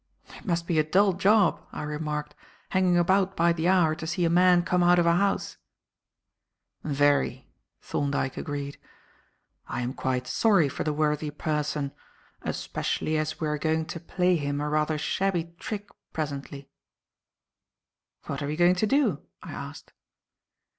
"It must be a dull job," I remarked, "hanging about by the hour to see a man come out of a house." "Very," Thorndyke agreed. "I am quite sorry for the worthy person, especially as we are going to play him a rather shabby trick presently." "What are we going to do?" I asked.